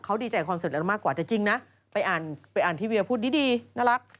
เขาดีใจความสุขอันมากกว่าแต่จริงนะไปอ่านที่เวียวพูดดีน่ารัก